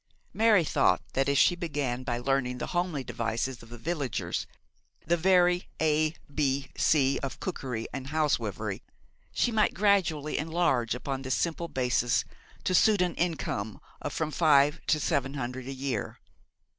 Mary thought that if she began by learning the homely devices of the villagers the very A B C of cookery and housewifery she might gradually enlarge upon this simple basis to suit an income of from five to seven hundred a year.